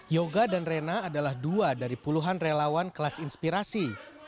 yoga dan rena adalah dua dari puluhan relawan kelas inspirasi